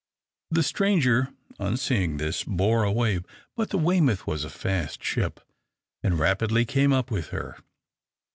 The stranger, on seeing this, bore away, but the "Weymouth" was a fast ship, and rapidly came up with her.